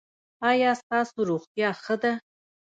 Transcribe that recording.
ایا ستاسو روغتیا ښه ده؟